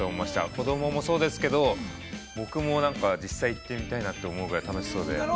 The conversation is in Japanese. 子供もそうですけど、僕もなんか実際行ってみたいなと思うぐらい楽しそうで。